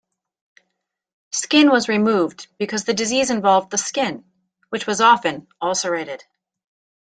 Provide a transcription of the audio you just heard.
Skin was removed because the disease involved the skin, which was often ulcerated.